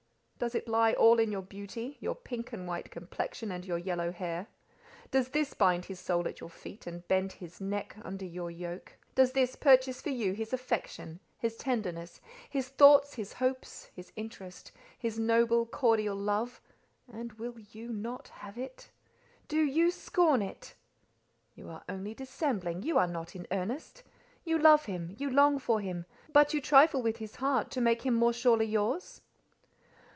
Does it lie all in your beauty—your pink and white complexion, and your yellow hair? Does this bind his soul at your feet, and bend his neck under your yoke? Does this purchase for you his affection, his tenderness, his thoughts, his hopes, his interest, his noble, cordial love—and will you not have it? Do you scorn it? You are only dissembling: you are not in earnest: you love him; you long for him; but you trifle with his heart to make him more surely yours?"